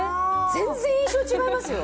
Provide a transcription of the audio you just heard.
全然印象違いますよ。